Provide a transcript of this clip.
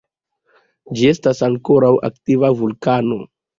Ĝi estas ankoraŭ aktiva vulkano.